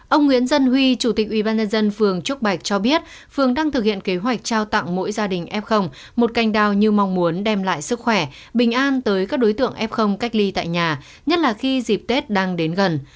ông nguyễn dân huy chủ tịch ubnd phường trúc bạch cho biết phường đang thực hiện kế hoạch trao tặng mỗi gia đình f một cành đào như mong muốn đem lại sức khỏe bình an tới các đối tượng f cách ly tại nhà nhất là khi dịp tết đang đến gần